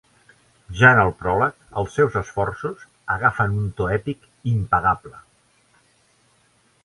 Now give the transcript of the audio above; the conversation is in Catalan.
Ja en el pròleg els seus esforços agafen un to èpic impagable.